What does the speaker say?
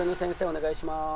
お願いしまーす。